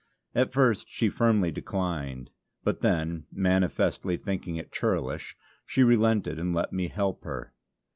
At first she firmly declined; but then, manifestly thinking it churlish, she relented and let me help her.